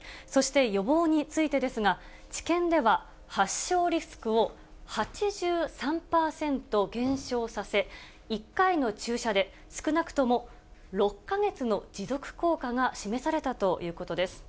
そして予防についてですが、治験では発症リスクを８３％減少させ、１回の注射で少なくとも６か月の持続効果が示されたということです。